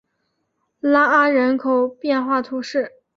拉阿人口变化图示